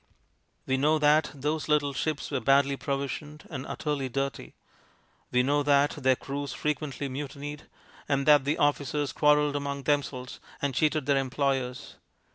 We know that those little ships were badly provisioned and utterly dirty. We know that their crews frequently mutinied, 14 210 MONOLOGUES and that the officers quarrelled among them selves and cheated their employers.